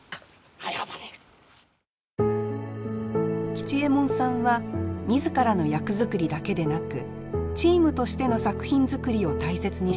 吉右衛門さんは自らの役作りだけでなくチームとしての作品作りを大切にしました。